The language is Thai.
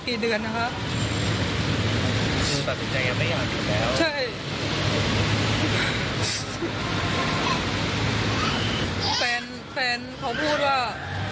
แฟนเขาพูดว่า